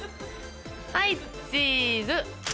はいチーズ。